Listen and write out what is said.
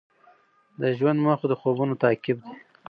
د ژوند موخه د خوبونو تعقیب دی.